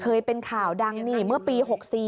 อ๋อเคยเป็นข่าวดังเมื่อปี๑๙๖๔